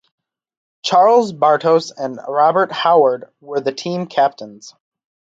Charles Bartos and Robert Howard were the team captains.